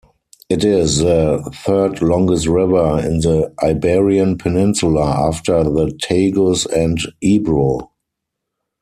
It is the third-longest river in the Iberian Peninsula after the Tagus and Ebro.